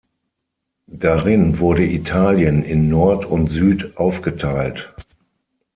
Darin wurde Italien in Nord und Süd aufgeteilt.